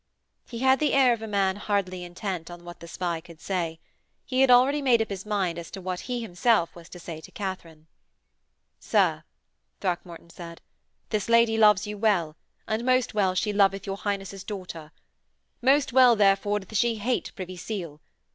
He had the air of a man hardly intent on what the spy could say. He had already made up his mind as to what he himself was to say to Katharine. 'Sir,' Throckmorton said, 'this lady loves you well, and most well she loveth your Highness' daughter. Most well, therefore, doth she hate Privy Seal.